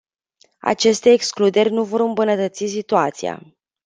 Aceste excluderi nu vor îmbunătăți situația.